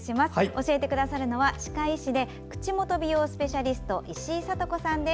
教えてくださるのは歯科医師で口元美容スペシャリスト石井さとこさんです。